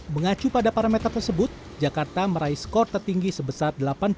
mengacu pada parameter tersebut jakarta meraih skor tertinggi sebesar delapan puluh delapan